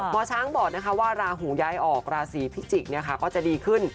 หมอช้างบอกนะคะว่าราหูย้ายออกราศีพิจิกก็จะดีขึ้น